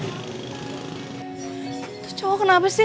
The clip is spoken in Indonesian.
itu cowok kenapa sih